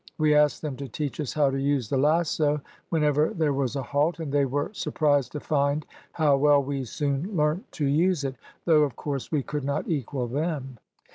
We asked them to teach us how to use the lasso whenever there was a halt, and they were surprised to find how well we soon learnt to use it, though of course we could not equal them.